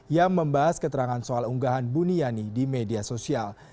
yang membahas keterangan soal unggahan buniani di media sosial